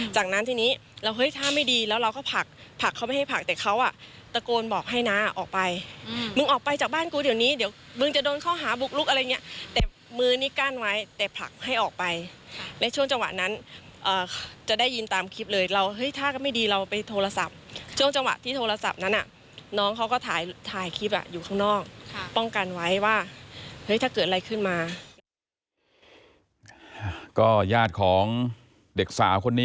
จากนั้นทีนี้เราเฮ้ยถ้าไม่ดีแล้วเราก็ผลักผลักเขาไม่ให้ผลักแต่เขาอ่ะตะโกนบอกให้น้าออกไปอืมมึงออกไปจากบ้านกูเดี๋ยวนี้เดี๋ยวมึงจะโดนเข้าหาบุกลุกอะไรเงี้ยแต่มือนี้กั้นไว้แต่ผลักให้ออกไปค่ะแล้วช่วงจังหวะนั้นอ่าจะได้ยินตามคลิปเลยเราเฮ้ยถ้าก็ไม่ดีเราไปโทรศัพท์ช่วงจังหวะที่โทรศัพ